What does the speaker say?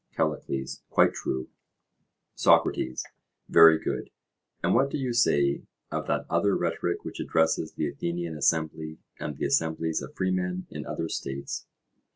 CALLICLES: Quite true. SOCRATES: Very good. And what do you say of that other rhetoric which addresses the Athenian assembly and the assemblies of freemen in other states?